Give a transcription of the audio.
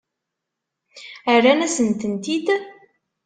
Rran-asen-tent-id?